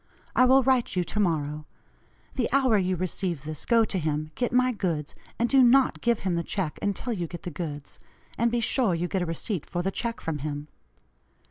I will write you to morrow. The hour you receive this go to him, get my goods, and do not give him the check until you get the goods, and be sure you get a receipt for the check from him.